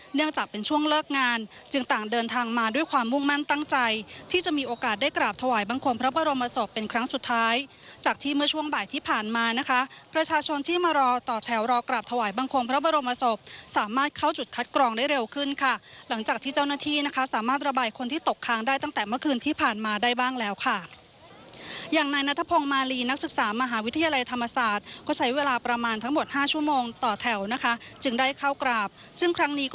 เนื่องจากเป็นช่วงเลิกงานจึงต่างเดินทางมาด้วยความมุ่งมั่นตั้งใจที่จะมีโอกาสได้กราบถวายบังคมพระบรมศพพระประมินทรมาฮภูมิพลอดุลยเด็จพระประมินทรมาฮภูมิพลอดุลยเด็จที่จะมีโอกาสได้กราบถวายบังคมพระบรมศพพระประมินทรมาฮภูมิพลอดุลยเด็จที่จะมีโอกาสได้กราบถวายบัง